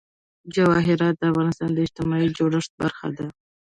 جواهرات د افغانستان د اجتماعي جوړښت برخه ده.